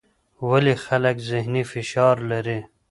ولې خلک ذهني فشار لري؟